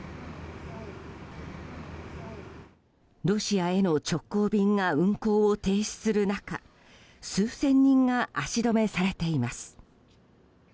ロシアへの直行便が運航を停止する中数千人が足止めされています。